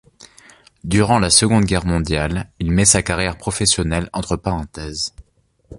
Durant la Seconde Guerre mondiale, il met sa carrière professionnelle entre parenthèses.